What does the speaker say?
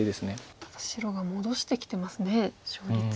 ただ白が戻してきてますね勝率。